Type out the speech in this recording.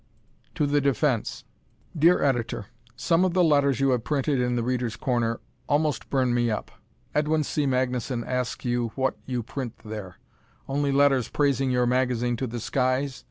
To the Defense Dear Editor: Some of the letters you have printed in "The Readers' Corner" almost burn me up. Edwin C. Magnuson asks you what you print there: only letters praising your magazine to the skies?